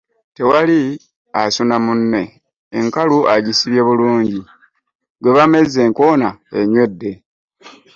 Tewali asuna munne, enkalu agisibye bulungi, gwe bamezze enkoona enywedde.